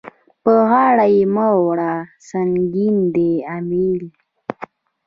په غاړه يې مه وړه سنګين دی امېل.